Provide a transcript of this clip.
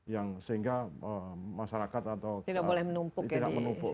yang sehingga masyarakat atau tidak menumpuk